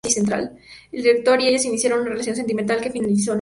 El director y ella iniciaron una relación sentimental que finalizó en matrimonio.